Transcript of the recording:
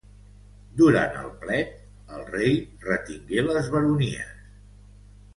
Durant el plet el rei retingué les baronies.